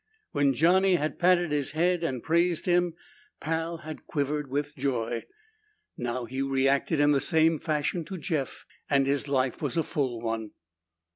When Johnny had patted his head and praised him, Pal had quivered with joy. Now he reacted in the same fashion to Jeff and his life was a full one.